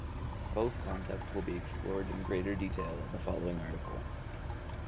Both concepts will be explored in greater detail in the following article.